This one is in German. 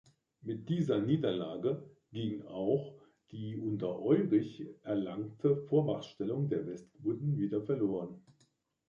Mit dieser Niederlage ging auch die unter Eurich erlangte Vormachtstellung der Westgoten wieder verloren.